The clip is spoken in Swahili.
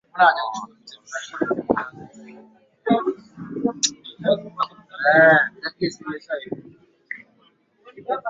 Wakati mwingine kurudisha maelewano katika jamii